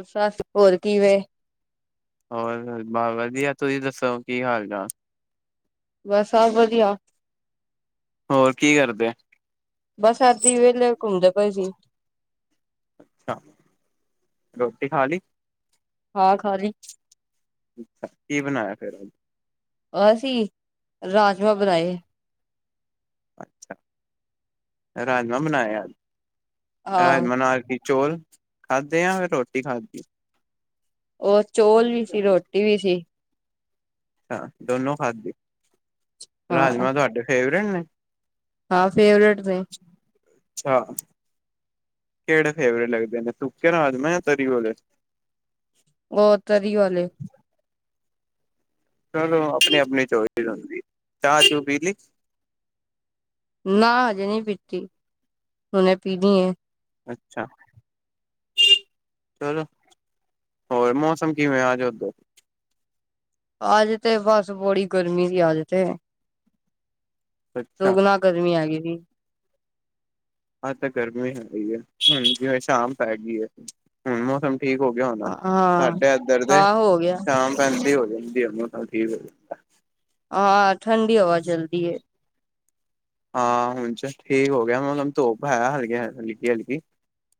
ਅੱਛਾ! ਹੋਰ ਕੀ ਵੇੇ? ਹੋਰ ਬਸ ਵਧੀਆ, ਤੁਹੀ ਦੱਸੋ ਕੀ ਹਾਲ-ਚਾਲ? ਬਸ ਸਭ ਵਧੀਆ। ਹੋਰ ਕੀ ਕਰਦੇ? ਬਸ ਏਦੀ ਵੇਲੇਂ, ਘੁੰਮਦੇ ਪਏ ਸੀ। ਅੱਛਾ, ਰੋਟੀ ਖਾਲੀ? ਹਾਂ, ਖ਼ਾਲੀ। ਅੱਛਾ, ਕੀ ਬਣਾਇਆ ਫੇਰ ਅੱਜ? ਅਸੀਂ, ਰਾਜਮਾਂ ਬਣਾਏ। ਅੱਛਾ, ਰਾਜਮਾਂ ਬਣਾਏ ਅੱਜ। ਹਾਂ ਰਾਜਮਾਂ ਨਾਲ਼ ਕੀ ਚੋਲ, ਖਾਧੇ ਆ ਯਾ ਰੋਟੀ ਖਾਧੀ? ਉਹ, ਚੋਲ ਵੀ ਸੀ, ਰੋਟੀ ਵੀ ਸੀ। ਅੱਛਾ, ਦੋਨੋ ਖਾਧੇ, ਹਾਂ ਰਾਜਮਾਂ ਤੁਹਾਡੇ ਫੇਵਰੇਟ ਨੇਂ? ਹਾਂ, ਫੇਵਰੇਟ ਨੇਂ। ਅੱਛਾ। ਕਿਹੜੇ ਫੇਵਰੇਟ ਲੱਗਦੇ ਨੇਂ, ਸੁੱਕੇ ਰਾਜਮਾਂ ਜਾਂ ਤਰੀ ਵਾਲੇ। ਓ ਤਰੀ ਵਾਲੇ। ਚਲੋ ਆਪਣੀ, ਆਪਣੀ ਚੋਇਸ ਹੁੰਦੀ, ਚਾਹ-ਚੂ ਪੀਲੀ? ਨਾਂ ਹਜੇ ਨਈਂ ਪੀਤੀ, ਹੁਨੇ ਪੀਣੀ ਐ। ਅੱਛਾ। ਚਲੋ, ਹੋਰ ਮੌਸਮ ਕਿਵੇਂ ਆ ਆਜ ਓਧਰ? ਆਜ ਤੇ ਬਸ ਬੜੀ ਗਰਮੀ ਸੀ, ਆਜ ਤੇ। ਅੱਛਾ ਦੁਗਣਾ ਗਰਮੀ ਹੈਗੀ ਈ ਸੀ। ਅੱਜ ਤਾਂ ਗਰਮੀ ਹੈਈ ਐ, ਹੁਣ ਜਿਵੇਂ ਸ਼ਾਮ ਪੈ ਗਈ ਐ, ਹੁਣ ਮੌਸਮ ਠੀਕ ਹੋ ਗਿਆ ਹੋਣਾ, ਹਾਂ ਸਾਡੇ ਏਧਰ ਤੇ, ਹਾਂ ਹੋ ਗਿਆ ਸ਼ਾਮ ਪੈਂਦੀ ਹੋ ਜਾਂਦੀ ਆ ਮੌਸਮ ਠੀਕ। ਆ, ਠੰਡੀ ਹਵਾ ਚੱਲਦੀ ਏ। ਹਾਂ ਹੁਣ ਚ' ਠੀਕ ਹੋ ਗਿਆ, ਹੁਣ ਮੌਸਮ ਧੁੱਪ ਹੈ ਆ ਹਲਕ, ਹਲਕੀ-ਹਲਕੀ।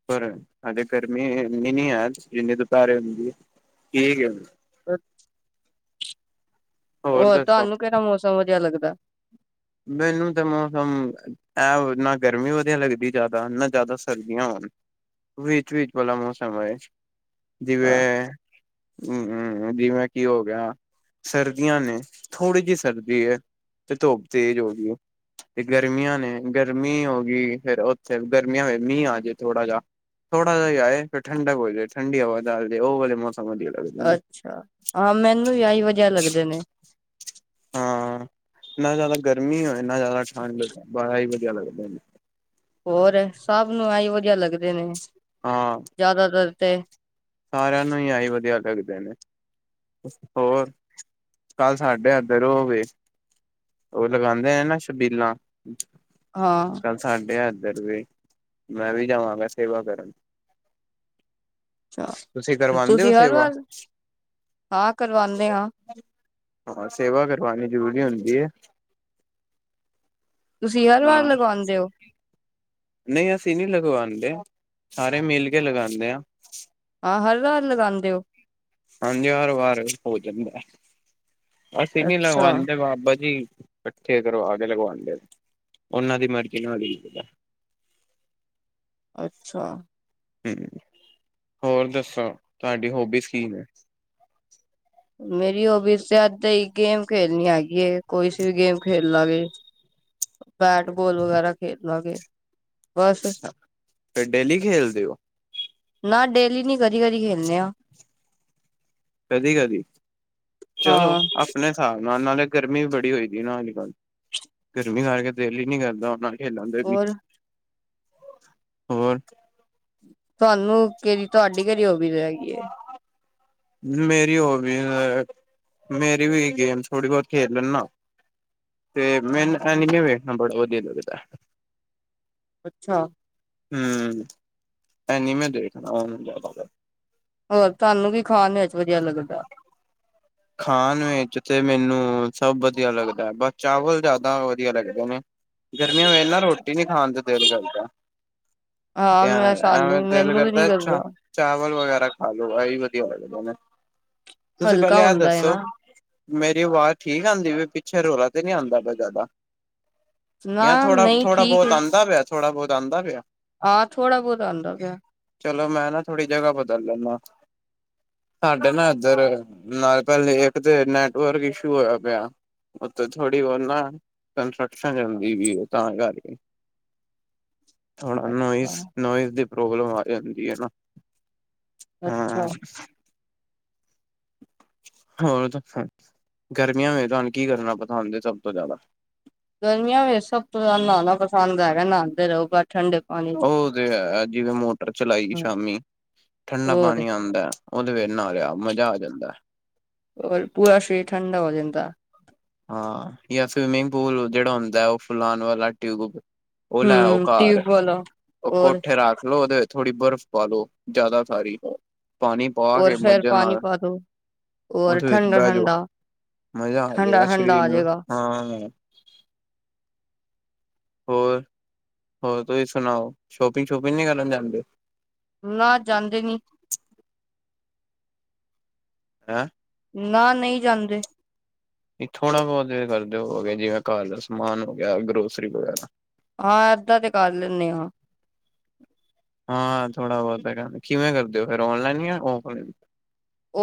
ਪਰ, ਆਡੇ ਗਰਮੀ ਐਨੀ ਨੀਂ ਐ, ਜਿੰਨੀ ਦੁਪਹਿਰੇ ਹੁੰਦੀ ਏ, ਠੀਕ ਆ ਅੱਛ! ਹੋਰ ਔਰ ਦੱਸੋ ਤੁਹਾਨੂੰ ਕਿਹੜਾ ਮੌਸਮ ਵਧੀਆ ਲੱਗਦਾ? ਮੈਨੂੰ ਤਾਂ ਮੌਸਮ, ਐ ਨਾਂ ਗਰਮੀ ਵਧੀਆ ਲੱਗਦੀ ਜਾਦਾ, ਨਾਂ ਜਾਦਾ ਸਰਦੀਆਂ ਹੋਨ। ਵਿਚ-ਵਿਚ ਵਾਲਾ ਮੌਸਮ ਹੋਵੇ, ਹਾਂ ਜਿਵੇਂ ਅਮ, ਜਿਵੇਂ ਕੀ ਹੋ ਗਿਆ ਸਰਦੀਆਂ ਨੇਂ, ਥੋੜ੍ਹੀ ਜੀ ਸਰਦੀ ਐ, ਤੇ ਧੁੱਪ ਤੇਜ਼ ਹੋ ਗਈ ਏ। ਤੇ ਗਰਮੀਆਂ ਨੇ, ਗਰਮੀ ਹੋ ਗਈ, ਫੇਰ ਉੱਥੇ ਗਰਮੀਆਂ ਹੋ ਮੀਂ ਆ ਜੇ ਥੋੜਾ ਜਾ। ਥੋੜਾ ਜਾ ਆਏ, ਫ਼ੇਰ ਠੰਡਕ ਹੋ ਜਾਏ ਠੰਢੀ ਹਵਾ ਉ ਵਾਲੇ ਮੌਸਮ ਵਧੀਆ ਲੱਗਦੇ ਨੇ ਅੱਛਾ, ਹਾਂ ਮੈਨੂੰ ਐਈ ਵਧੀਆ ਲੱਗਦੇ ਨੇਂ। ਨਾਂ ਜਾਦਾ ਗਰਮੀ ਹੋਏ, ਨਾਂ ਜਾਦਾ ਠੰਢਕ, ਬ ਐ ਈ ਵਧੀਆ ਲੱਗਦੇ ਨੇ। ਹੋਰ, ਸਭ ਨੂੰ ਐ ਈ ਵਧੀਆ ਲੱਗਦੇ ਨੇਂ। ਹਾਂ। ਜਾਦਾਤਰ ਤੇ। ਸਾਰਿਆਂ ਨੂੰ ਈ ਏਈ ਵਧੀਆ ਲੱਗਦੇ ਨੇ। ਹੋਰ, ਕੱਲ ਸਾਡੇ ਐਦਰ ੳਵੇ। ਉ ਲਗਾਨਦੇ ਐ ਨਾ ਛਬੀਲਾਂ ਹਾਂ ਕੱਲ ਸਾਡੇ ਏਧਰ ਵੀ, ਮੈਂ ਵੀ ਜਾਵਾਂਗਾ ਸੇਵਾ ਕਰਨ। ਅੱਛਾ ਤੁਸੀਂ ਕਰਵਾਂਦੇ ੳ ਤੁਸੀਂ ਹਰ ਸੇਵਾ? ਵਾਰ ਹਾਂ ਕਰਵਾਉਂਦੇ ਹਾਂ ਹਾਂ, ਸੇਵਾ ਕਰਵਾਨੀ ਜ਼ਰੂਰੀ ਹੁੰਦੀ ਏ। ਤੁਸੀਂ ਹਰ ਵਾਰ ਲਗਾਉਂਦੇ ੳ। ਨਈ ਅਸੀਂ ਨੀ ਲਗਵਾਂਦੇ, ਸਾਰੇ ਮਿਲ ਕੇ ਲਗਾਂਦੇ ਆਂ। ਹਾਂ ਹਰਵਾਰ ਲਗਾਂਦੇ ਉ। ਹਾਂਜੀ ਹਰ ਵਾਰ ਹੋ ਜਾਂਦੈ, ਅਸੀਂ ਨੀ ਅੱਛਾ ਲਗਵਾਂਦੇ ਬਾਬਾ ਜੀ ਕਠੇ ਕਰਵਾ ਕੇ ਲਗਵਾਦੇ, ਉਨਾਂ ਦੀ ਮਰਜ਼ੀ ਨਾਲ ਈ ਹੁੰਦਾ। ਅੱਛਾ ਹੂੰ, ਹੋਰ ਦੱਸੋ ਤੁਹਾਡੀ ਹੋਬੀਜ਼ ਕੀ ਨੇ। ਮੇਰੀ ਹੋਵੀਜ਼ ਵੀ ਏਦਾ ਈ ਗੇਮ ਖੇਲਨੀ ਹੈਗੀ ਏ, ਕੋਈ ਸੀ ਵੀ ਗੇਮ ਖੇਲ ਲਾਂਗੇ। ਬੈਟ ਬੋਲ ਵਗੈਰਾ ਖੇਡ ਲਾਂਗੇ ਬਸਵ ਤੇ ਡੇਲੀ ਖੇਲਦੇ ੳ। ਨਾ ਡੇਲੀ ਨੀ ਕਦੀ ਕਦੀ ਖੇਲਨੇ ਆ। ਕਦੀ-ਕਦੀ ਚਲੋ ਹਾਂ ਆ ਅਪਨੇ ਸਾਬ ਨਾਲ, ਨਾਲੇ ਗਰਮੀ ਵੀ ਬੜੀ ਹੋਈਦੀ ਏ ਅਜ ਕੱਲ ਗਰਮੀ ਕਰਕੇ ਦੇਲ ਈ ਨੀ ਕਰਦਾ ਖੇਲਨ ਤੇ ਵੀ। ਹੋਰ ਹੋਰ ਤੁਹਾਨੂੰ ਕੇਰੀ ਤੁਹਾਡੀ ਕੇੜੀ ਹੋਬੀਜ਼ ਹੇਗੀ ਏ। ਮੇਰੀ ਹੋਬੀਜ਼ ਏ ਮੇਰੀ ਵੀ ਏ ਗੇਮ ਥੋੜੀ ਬੋਤ ਖੇਲ ਲੈਨਾ। ਤੇ ਮੈਨੂ ਐਨੀਮੇ ਵੇਖਨਾ ਬੜਾ ਵਧੀਆ ਲੱਗਦੈ। ਅੱਛਾ। ਹੂੰ, ਏਨੀਮੇ ਦੇਖਦਾ ਵਾ ਮੈਂ ਜਾਦਾਤਰ। ਹੋਰ ਤੁਆਨੂੰ ਕੀ ਖਾਣ ਵੇਚ ਵਧੀਆ ਲੱਗਦਾ। ਖਾਣ ਵੇਚ ਤੇ ਮੈਨੂੰ ਸਭ ਵਧੀਆ ਲੱਗਦੈ, ਬਸ ਚਾਵਲ ਜਾਦਾ ਵਧੀਆ ਲੱਗਦੇ ਨੇ। ਗਰਮੀਆਂ ਵੋਚ ਨਾ ਰੋਟੀ ਨੀ ਖਾਨ ਤੇ ਦੇਲ ਕਰਦਾ। ਹਾਂ ਐਂ ਮੈਂ ਸਾਨੂੰ ਐਂਵੇ ਦੇਲ ਮੈਨੂੰ ਵੀ ਨੀ ਕਰਦੈ ਅੱਛਾ। ਕਰਦਾ ਚਾਵਲ ਵਗੈਰਾ ਖਾ ਲੋ ਏਈ ਵਧੀਆ ਲੱਗਦੇ ਨੇ, ਤੁਸੀਂ ਪੈਲੇ ਹਲਕਾ ਐ ਹੁੰਦਾ ਦੱ ਹੈ ਨਾ। ਮੇਰੀ ਆਵਾਜ਼ ਠੀਕ ਆਂਦੀ ਪਈ ਵੇ, ਪਿੱਛੇ ਰੌਲਾ ਤੇ ਨੀ ਆਂਦਾ ਪਆ ਜਾਦਾ। ਯਾਂ ਨਾ ਨਹੀਂ ਥੋੜਾ-ਥੋੜਾ ਠੀਕ ਬੋਤ ਹੈ, ਆਂਦਾ ਪਿਆ, ਥੋੜਾ ਬੋਤ ਆਦਾ ਪਿਐ। ਹਾਂ ਥੋੜਾ ਬਹੁਤ ਆਉਂਦਾ ਪਿਆ ਚਲੋ ਮੈਂ ਨਾ ਥੋੜ੍ਹੀ ਜਗ੍ਹਾ ਬਦਲ ਲੈਂਦਾ, ਸਾਡੇ ਨਾ ਇੱਧਰ ਪਹਿਲੇ ਇੱਕ ਤੇ, ਨੈਟਵਰਕ ਇਸ਼ੂ ਹੋਇਆ ਪਿਆ। ਉਥੇ ਥੋੜ੍ਹੀ ਉਹ ਨਾ, ਕੰਸਟਰਕਸ਼ਨ ਚਲਦੀ ਪਈ ਤਾਂ ਕਰਕੇ। [inaudible] ਥੋੜਾ ਅੱਛਾ। ਨੋਇਜ਼-ਨੋਇਜ਼ ਦੀ, ਪ੍ਰੋਬਲਮ ਆ ਜਾਂਦੀ ਹੈ ਨਾ। ਹਾਂ ਅੱਛਾ। ਹੋਰ, ਗਰਮੀਆਂ ਵਿੱਚ ਤੁਹਾਨੂੰ ਕੀ ਕਰਨਾ ਪਸੰਦ ਹੈ ਸਭ ਤੋਂ ਜ਼ਿਆਦਾ? ਗਰਮੀਆਂ ਵਿੱਚ ਸਬ ਤੋਂ ਨਹਾਉਣਾ ਪਸੰਦ ਹੈਗਾ, ਨਹਾਉਦੇ ਰਹੋ ਠੰਡੇ ਪਾਣੀ ਚ। ਉਹ ਤੇ ਹੈ, ਜਿਵੇਂ ਮੋਟਰ ਚਲਾਈ ਸ਼ਾਮੀ ਠੰਡਾ ਹੋਰ ਪਾਣੀ ਆਉਂਦਾ, ਉਹਦੇ ਵਿਚ ਨਹਾ ਲਿਆ, ਮਜ਼ਾ ਆ ਜਾਂਦਾ ਹੈ। ਹੋਰ, ਪੂਰਾ ਸ਼ਰੀਰ ਠੰਡਾ ਹੋ ਜਾਂਦਾ ਹੈ। ਹਾਂ, ਜਾਂ ਸਵੀਮਿੰਗ ਪੂਲ ਜਿਹੜਾ ਹੁੰਦਾ ਹੈ ਉਹ, ਫੁਲਾਉਣ ਵਾਲਾ ਟਿਊਬ ਉਹ ਲੈ ਆਉ ਹਮ ਘਰ, ਟਿਊਬਵੈਲ ਉਹ ਔਰ ਕੋਠੇ ਰੱਖ ਲਓ ਉਹਦੇ ਵਿੱਚ ਥੋੜ੍ਹੀ ਬਰਫ਼ ਪਾਲੋ ਜ਼ਿਆਦਾ ਸਾਰੀ, ਪਾਣੀ ਪਾ ਔਰ ਕੇ ਫੇਰ ਮੱਜਾ ਪਾਣੀ ਨਾਲ ਪਾ ਦੋ ਔਰ ਉਹਦੇ ਵਿੱਚ ਠੰਡਾ ਬਹਿ ਜਾਓ, ਠੰਡਾ ਮਜ਼ਾ ਆ ਠੰਡਾ ਜਾਏਗਾ ਠੰਡਾ ਸ਼ਰੀਰ ਆ ਨੂੰ, ਜਾਏਗਾ। ਹਾਂ। ਹੋਰ, ਹੋਰ ਤੁਸੀਂ ਸੁਣਾਓ, ਸ਼ੋਪਿੰਗ-ਸ਼ੋਪਿੰਗ ਨਹੀਂ ਕਰਨ ਜਾਂਦੇ ਹੋ? ਨਾ, ਜਾਂਦੇ ਨੀ। ਹੈਂ? ਨਾ, ਨਹੀਂ ਜਾਂਦੇ। ਥੋੜ੍ਹਾ ਬਹੁਤ ਕਰਦੇ ਹੋਗੇ, ਜਿਵੇਂ ਘਰ ਦਾ ਸਮਾਨ ਹੋ ਗਿਆ, ਗਰੋਸਰੀ ਵਗੈਰਾ ਹਾਂ, ਏਦਾਂ ਤੇ ਕਰ ਲੈਂਦੇ ਹਾਂ। ਹਾਂ ਥੋੜਾ ਬਹੁਤ ਹੈ ਕਹਿੰ, ਕਿਵੇਂ ਕਰਦੇ ਹੋ ਫਿਰ ਔਨਲਾਈਨ ਜਾਂ ਔਫਲਾਈਨ?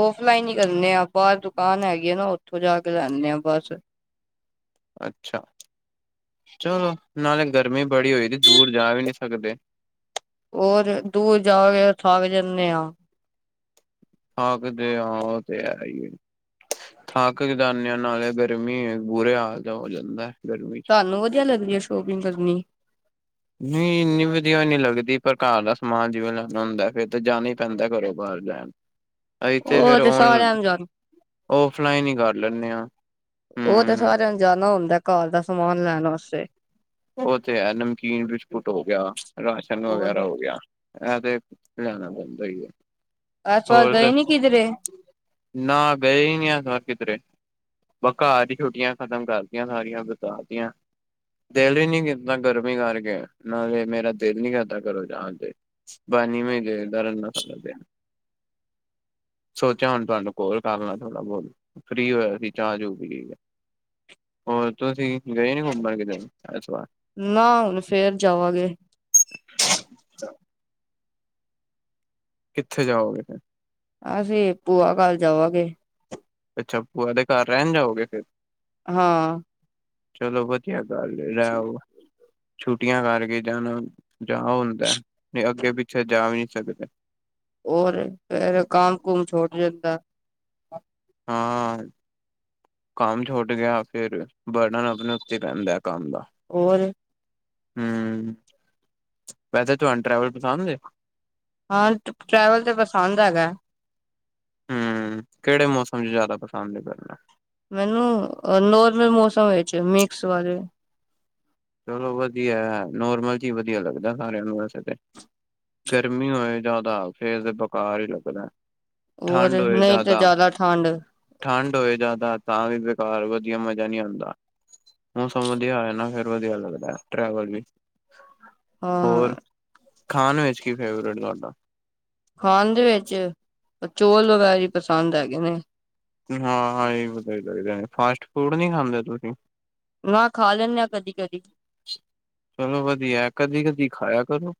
ਔਫਲਾਈਨ ਹੀ ਕਰਨੇ ਆ, ਬਾਹਰ ਦੁਕਾਨ ਹੈਗੀ ਆ ਨਾ, ਉੱਥੋਂ ਜਾ ਕੇ ਲੈਂਦੇ ਆ ਬਸ। ਅੱਛਾ, ਚਲੋ ਨਾਲੇ ਗਰਮੀ ਬੜੀ ਹੋਈ, ਦੂਰ ਜਾ ਵੀ ਨਹੀਂ ਸਕਦੇ। ਹੋਰ, ਦੂਰ ਜਾ ਕੇ ਥੱਕ ਜਾਂਦੇ ਹਾਂ। ਹਾਂ, ਕਿਦੇ ਹਾਂ, ਉਹ ਤੇ ਹੈ ਹੀ। ਥਾਕ ਤੇ ਜਾਨੇ ਆ, ਨਾਲੇ ਗਰਮੀ, ਬੁਰੇ ਹਾਲ ਦਾ ਹੋ ਜਾਂਦਾ ਹੈ। ਤੁਹਾਨੂੰ ਵਧੀਆ ਲੱਗਦੀ ਹੈ, ਸ਼ੋਪਿੰਗ ਕਰਨੀ? ਨਹੀਂ ਇੰਨੀ ਵਧੀਆ ਨੀ ਲੱਗਦੀ, ਪਰ ਘਰ ਦਾ ਸਮਾਨ ਜਿਵੇਂ ਲੈਣਾ ਹੁੰਦਾ, ਫੇਿਰ ਤਾਂ ਜਾਣਾ ਹੀ ਪੈਂਦਾ ਘਰੋਂ ਬਾਹਰ ਲੈਣ। ਇੱਥੇ ਫੇਿਰ ਉਹ ਤੇ ਆਉਣ ਸਾਰਿਆਂ ਨੂੰ ਜਾਣ ਔਫਲਾਈਨ ਹੀ ਕਰ ਲੈਂਦੇ ਹਾਂ, ਉਹ ਤੇ ਹਮ। ਸਾਰਿਆਂ ਨੂੰ ਜਾਣਾ ਹੁੰਦਾ, ਘਰ ਦਾ ਸਮਾਨ ਲੈਣ ਵਾਸਤੇ। ਉਹ ਤੇ ਹੈ, ਨਮਕੀਨ-ਬਿਸਕੁਟ ਹੋ ਗਿਆ, ਰਾਸ਼ਨ ਹੋਰ ਵਗੈਰਾ ਹੋ ਗਿਆ। ਐ ਤੇ, ਲਿਆਣਾ ਪੈਂਦਾ, ਸਹੀ ਏ। ਐਸ ਵਾਰ ਗਏ ਨੀ ਕਿਧਰੇ? ਨਾ ਗਏ ਹੀ ਨਹੀਂ, ਐਸ ਵਾਰ ਕਿਧਰੇ। ਬ ਕਾਰ ਹੀ ਛੁੱਟੀਆਂ ਖਤਮ ਕਰਦੀਆਂ, ਸਾਰੀਆਂ ਬਤਾ ਤਿਆਂ। ਦਿਲ ਹੀ ਨੀ ਕੀਤਾ ਗਰਮੀ ਕਰਕੇ, ਨਾਲੇ ਮੇਰਾ ਦਿਲ ਨੀ ਕਰਦਾ ਕਰੋ ਜਾਣ ਤੇ। ਪਾਣੀ ਮੈਂ ਗੇਰਦਾ ਰਹਿੰਦਾ ਸੋਚਿਆ ਹੁਣ ਤੁਹਾਨੂੰ ਕੋਲ ਕਰਨਾ, ਥੋੜਾ ਬਹੁਤ। ਫ੍ਰਰੀ ਹੋਇਆ ਸੀ ਚਾਹ-ਚੂ ਪੀ ਕੇ, ਹੋਰ ਤੁਸੀਂ ਗਏ ਨੀ ਘੁੰਮਣ ਕਿਤੇ? ਐਸ ਵਾਰ ਨਾ, ਹੁਣ ਫੇਰ ਜਾਵਾਂਗੇ। ਕਿੱਥੇ ਜਾਓਗੇ? ਅਸੀਂ, ਭੂਆ ਕਰ ਜਾਵਾਂਗੇ। ਅੱਛਾ, ਭੂਆ ਦੇ ਘਰ ਰਹਿਣ ਜਾਓਗੇ ਫਿਰ ਹਾਂ। ਚਲੋ ਵਧੀਆ ਗੱਲ ਰਹਿ ਆਓ, ਛੁੱਟੀਆਂ ਕਰਕੇ ਜਾਣਾ ਜਾ ਹੁੰਦਾ ਨਹੀਂ ਅੱਗੇ ਪਿੱਛੇ ਜਾ ਵੀ ਨਹੀਂ ਸਕਦੇ। ਔਰ ਫੇਰ ਕਾਮ- ਕੁੁੰਮ ਛੋਟ ਈ ਦਿਤਾ। ਹਾਂ। ਕੰਮ ਛੁੱਟ ਗਿਆ ਫੇਿਰ ਬਟਣਨ ਆਪਣੇ ਉੱਤੇ ਪੈਦਾਂ ਕੰਮ ਦਾ ਹੋਰ ਹਮ, ਵੈਸੇ ਤੁਹਾਨੂੰ ਟਰੈਵਲ ਪਸੰਦ ਏ। ਹਾਂ, ਟਰੈਵਲ ਤੇ ਪਸੰਦ ਹੈਗਾ। ਹਮ, ਕਿਹੜੇ ਮੌਸਮ ਚ ਜ਼ਿਆਦਾ ਪਸੰਦ ਐ ਕਰਨਾ। ਮੈਨੂੰ ਨੋਰਮਲ ਮੌਸਮ ਵਿੱਚ ਮਿਕਸ ਵਾਲੇ। ਚਲੋ ਵਧੀਆ, ਨੋਰਮਲ ਚ ਵਧੀਆ ਲੱਗਦਾ ਸਾਰਿਆਂ ਨੂੰ ਵੈਸੇ ਤੇ ਗਰਮੀ ਹੋਏ ਜਾਂਆਦਾ ਫੇ ਤੇ ਬੇਕਾਰ ਈ ਲੱਗਨਾ। ਹੋਰ, ਨਹੀਂ ਤੇ ਜ਼ਿਆਦਾ ਠੰਡ ਠੰਡ ਹੋਏ ਜ਼ਿਆਦਾ ਤਾਂ ਵੀ ਬੇਕਾਰ ਵਧੀਆ ਮਜ਼ਾ ਨਈ ਆਂਦਾ, ਮੌਸਮ ਵਧੀਆ ਹੋਏ ਨਾ ਫਿਰ ਵਧੀਆ ਲੱਗਦਾ ਟੈਵਲ ਵੀ, ਹਾਂ ਹੋਰ ਖਾਣ ਵਿੱਚ ਕੀ ਫੇਵਰੇਟ ਤੋਡਾ ਖਾਣ ਦੇ ਵਿੱਚ ਅ ਚੋਲ ਵਗੈਰਾ ਈ ਪਸੰਦ ਹੈਗੇ ਨੇ। ਹੁ ਹੁ, ਹਾ ਇਹ ਵਦੀਆ ਲਗਦਾ, ਫਾਸਟ- ਫੂਡ ਨੀ ਖਾਂਦੇ ਤੁਸੀਂ। ਮ ਖਾ ਲੈਂਦੇ ਆ ਕਦੀ- ਕਦੀ ਚਲੋ ਵਧੀਆ, ਕਦੀ- ਕਦੀ ਖਾਇਆ ਕਰੋ।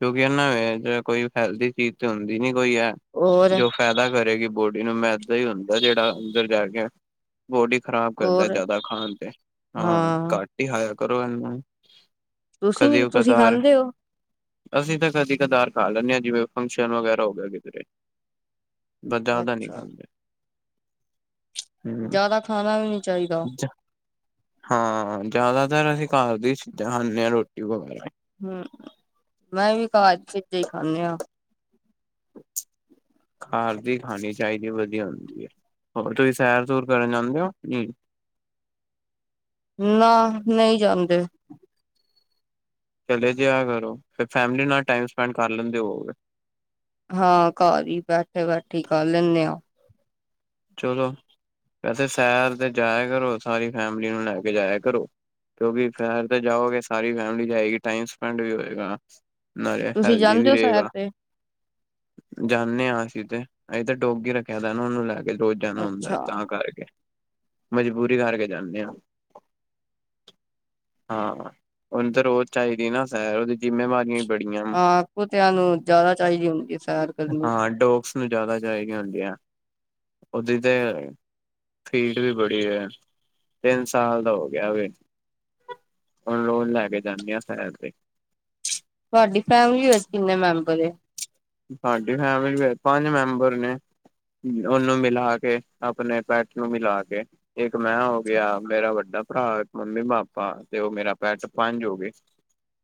ਕਿਉਂਕਿ ਇਹਨਾਂ ਵੇਚ ਕੋਈ ਹੈਲਦੀ ਚੀਜ਼ ਤੇ ਹੁੰਦੀ ਨੀ ਕੋਈ ਐ। ਹੋਰ ਜੋ ਫਾਇਦਾ ਕਰੇਗੀ ਬੋਡੀ ਨੂੰ, ਮੈਦਾ ਈ ਹੁੰਦਾ ਜਿਹੜਾ ਅੰਦਰ ਜਾ ਕੇ ਬੋਡੀ ਖ਼ਰਾਬ ਕਰਦਾ ਹੋਰ ਜ਼ਿਆਦਾ ਖਾਣ ਤੇ, ਹਾਂ ਘੱਟ ਹਾਆ ਕਰੋ ਇਹਨੂੰ, ਤੁਸੀਂ ਨੀ ਕਦੇਓ ਤੁਸੀਂ -ਕਦਾਰ ਖਾਂਦੇ ਹੋ ਅਸੀਂ ਤਾਂ ਕਦੀ -ਕਧਾਰ ਖਾ ਲੈਂਦੇ ਆ, ਜਿਵੇਂ ਫੰਕਸ਼ਨ ਵਗੈਰਾ ਹੋ ਗਿਆ ਕਿਧਰੇ ਬਦਾਦਾ ਨੀ ਅੱਛਾ ਖਾਦੇ। ਜਿਆਦਾ ਖਾਣਾ ਵੀ ਨੀ ਚਾਹੀਦਾ। ਹਾਂ ਜ਼ਿਆਦਾਤਰ ਅਸੀਂ ਘਰ ਦੀ ਚੀਜ਼ਾਂ ਖਾਂਦੇ ਆ ਰੋਟੀ ਵਗੈਰਾ। ਹਮ, ਮੈਂ ਵੀ ਘਰ ਦੇ ਭੇਜੇ ਈ ਖਾਂਨੇ ਆ। ਘਰ ਦੀ ਖਾਣੀ ਚਾਹੀਦੀ ਵਧੀਆ ਹੁੰਦੀ ਐ, ਹੋਰ ਤੁਸੀਂ ਸੈਰ- ਸੂਰ ਕਰਨ ਜਾਂਦੇ ਔ। ਹਮ ਨਾ ਨਈ ਜਾਂਦੇ। ਚਲੇ ਜਾਇਆ ਕਰੋ, ਫਿਰ ਫੈਮਿਲੀ ਨਾਲ ਟਾਈਮ ਸਪੈਂਡ ਕਰ ਲੈਂਦੇ ਹੋਅਗੇ। ਹਾਂ, ਘਰ ਈ ਬੈਠੇ, ਬੈਠੀ ਕਰ ਲੈਂਨੇ ਆ। ਚਲੋ, ਵੈਸੇ ਸੈਰ ਤੇ ਜਾਇਆ ਕਰੋ, ਸਾਰੀ ਫੈਮਿਲੀ ਨੂੰ ਲੈ ਕੇ ਜਾਇਆ ਕਰੋ। ਕਿਉਂਕਿ ਫੈਰ ਤਾਂ ਜਾਓਗੇ, ਸਾਰੀ ਫੈਮਿਲੀ ਜਾਏਗੀ, ਟਾਈਮ ਸਪੈਂਡ ਵੀ ਹੋਏਗਾ। ਨਾਲੇ ਤੁਸੀਂ ਹੈਲਦੀ ਵੀ ਜਾਂਦੇ ਹੋ ਸੈਰ ਰਹੇਗਾ। ਤੇ ਜਾਂਨੇ ਆ ਅਸੀਂ ਤੇ, ਅਸੀ ਤੇ ਡੋਗੀ ਰੱਖਿਆ ਦਾ ਨਾ ਉਹਨੂੰ ਲੈ ਰੋਜ਼ ਜਾਣਾ ਹੁੰਦਾ ਅੱਛਾ ਤਾਂ ਕਰਕੇ, ਮਜਬੂਰੀ ਕਰਕੇ ਜਾਂਨੇ ਆ। ਹਾਂ, ਉਹਨ ਤਾਂ ਰੋਜ਼ ਚਾਹੀਦੀ ਨਾ ਸੈਰ, ਉਹਦੀ ਜਿੰਮੇਵਾਰੀ ਹਾਂ ਕੁਤਿਆਂ ਨੂੰ ਜ਼ਿਆਦਾ ਚਾਹੀਦੀ ਹੁੰਦੀ ਏ ਸੈਰ ਕਰਨੀ। ੜਅ ਡੋਗਸ ਨੂੰ ਜ਼ਿਆਦਾ ਚਾਹੀਦੀਆਂ ਹੁੰਦੀਆਂ। ਉਹਦੀ ਤੇ ਫੀਡ ਵੀ ਬੜੀ ਏ, ਤਿੰਨ ਸਾਲ ਦਾ ਹੋ ਗਿਆ ਵੇ। ਹੁਣ ਰੋਜ਼ ਲੈ ਕੇ ਜਾਂਨੇ ਆ ਸੈਰ ਤੇ। ਤੁਹਾਡੀ ਫੈਮਿਲੀ ਵੈਸੇ ਕਿੰਨੇ ਮੈਂਬਰ ਏ? ਸਾਡੀ ਫੈਮਿਲੀ ਵਿੱਚ ਪੰਜ ਮੈਂਬਰ ਨੇ। ਉਹਨੂੰ ਮਿਲਾ ਕੇ, ਆਪਣੇ ਪੈੱਟ ਨੂੰ ਮਿਲਾ ਕੇ। ਇੱਕ ਮੈਂ ਹੋ ਗਿਆ, ਮੇਰਾ ਵੱਡਾ ਭਰਾ, ਇੱਕ ਮੰਮੀ-ਪਾਪਾ ਤੇ ਉਹ ਮੇਰਾ ਪੈਟ ਪੰਜ ਹੋ ਗਏ।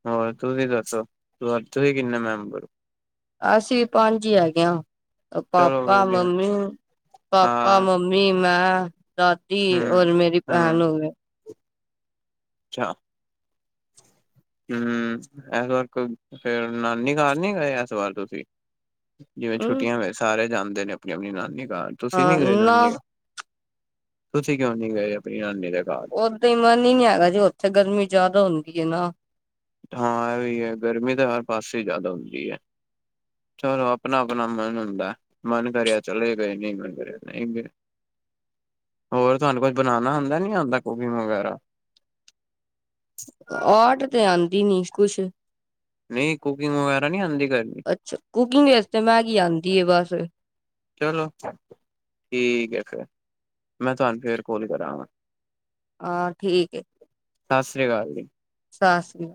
ਹੋਰ ਤੁਸੀਂ ਦੱਸੋ, ਤੁਸੀਂ ਕਿੰਨੇ ਮੈਂਬਰ ਓ। ਅਸੀਂ ਪੰਜ ਈ ਹੈਗੇ ਆ ਚਲੋ ਪਾਪਾ ਵਧੀਆ ਮੰਮੀ, ਪਾਪਾ ਹਾਂ ਮੰਮੀ। ਮੰਮੀ, ਮੈਂ, ਦਾਦੀ ਹਮ ਔਰ ਮੇਰੀ ਹਮ ਭੈਣ ਹੋਗੇ। ਅੱਛਾ। ਹੂੰ-ਹੂੰ, ਇਸ ਵਾਰ ਕੋ ਫੇਰ ਨਾਨੀ ਘਰ ਨੀ ਗਏ ਇਸ ਵਾਰ ਤੁਸੀਂ? ਜਿਵੇਂ ਹਮ ਛੁੱਟੀਆਂ ਹੋ ਸਾਰੇ ਜਾਂਦੇ ਨੇ ਆਪਣੀ-ਆਪਣੀ ਨਾਨੀ ਘਰ। ਤੁਸੀਂ ਹਾਂ ਨੀ ਗਏ ਨਾ ਨਾਨੀ, ਤੁਸੀਂ ਕਿਉਂ ਨੀ ਗਏ ਆਪਣੀ ਨਾਨੀ ਦੇ ਘਰ? ਓਦਾਂ ਹੀ ਮਨ ਹੀ ਨੀ ਹੈਗਾ ਜੇ ਉੱਥੇ ਗਰਮੀ ਜਿਆਦਾ ਹੁੰਦੀ ਏ ਨਾ। ਹਾਂ ਇਹ ਵੀ ਹੈ ਗਰਮੀ ਤਾਂ ਹਰ ਪਾਸੇ ਜ਼ਿਆਦਾ ਹੁੰਦੀ ਐ। ਚਲੋ ਆਪਣਾ-ਆਪਣਾ ਮਨ ਹੁੰਦਾ। ਮਨ ਕਰਿਆ ਚਲੇ ਗਏ ਨਹੀਂ ਮਨ ਕਰਿਆ ਨਹੀਂ ਗਏ। ਹੋਰ ਤੁਹਾਨੂੰ ਕੁਛ ਬਣਾਣਾ ਆਂਦਾ ਨੀ ਆਂਦਾ ਕੁਕਿੰਗ ਵਗੈਰਾ? ਆਰਟ ਤੇ ਆਂਦੀ ਨੀ ਕੁਛ। ਨਹੀਂ ਕੁਕਿੰਗ ਵਗੈਰਾ ਨੀ ਆਂਦੀ ਕਰਨੀ? ਅੱਛਾ ਕੁਕਿੰਗ ਵਸਤੇ ਮੈਗੀ ਆਂਦੀ ਏ ਬਸ। ਚਲੋ, ਠੀਕ ਐ, ਮੈਂ ਤੁਹਾਨੂੰ ਫੇਰ ਕੋਲ ਕਰਾਂਗਾ। ਹਾਂ ਠੀਕ ਏ। ਸਤਿ ਸ਼੍ਰੀ ਅਕਾਲ ਜੀ। ਸਾਸਰੀ